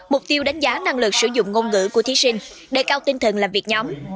mục tiêu đánh giá năng lực sử dụng ngôn ngữ của thí sinh đề cao tinh thần làm việc nhóm